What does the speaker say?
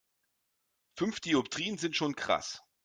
Fünf Dioptrien sind schon krass.